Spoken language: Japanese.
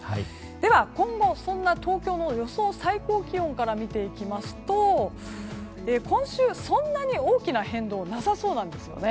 では、今後そんな東京の予想最高気温から見ていきますと今週そんなに大きな変動はなさそうなんです。